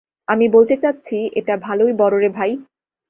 আমি বলতে চাচ্ছি এটা ভালোই বড় রে ভাই।